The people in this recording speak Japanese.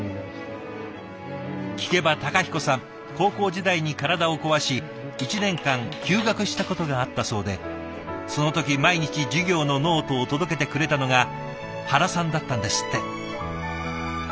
聞けば孝彦さん高校時代に体を壊し１年間休学したことがあったそうでその時毎日授業のノートを届けてくれたのが原さんだったんですって。